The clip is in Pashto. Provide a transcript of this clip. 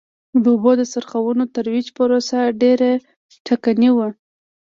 د اوبو د څرخونو ترویج پروسه ډېره ټکنۍ وه.